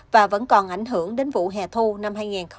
và vẫn còn ảnh hưởng đến vụ hè thu năm hai nghìn hai mươi